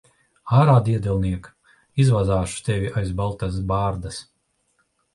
Ārā, diedelniek! Izvazāšu tevi aiz baltās bārdas.